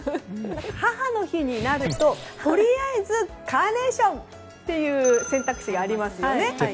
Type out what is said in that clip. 母の日になるととりあえずカーネーションという選択肢がありますよね。